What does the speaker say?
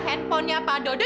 handphonenya pak dodo